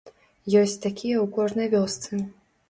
Ёсць такія ў кожнай вёсцы.